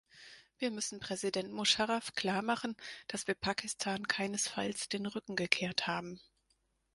Wir müssen Präsident Musharraf klar machen, dass wir Pakistan keinesfalls den Rücken gekehrt haben.